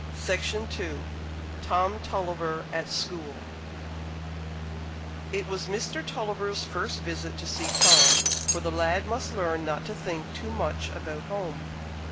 Tennyson TOM TULLIVER AT SCHOOL It was Mr. Tulliver's first visit to see Tom, for the lad must learn not to think too much about home.